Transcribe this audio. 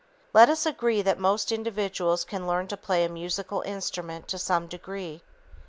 Let us agree that most individuals can learn to play a musical instrument to some degree.